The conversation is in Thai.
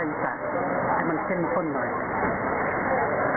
เรามาพัฒนาสูตรเองพอสมชวนให้มันเข้ากับภาคไทยสามให้มันเช่นข้นหน่อย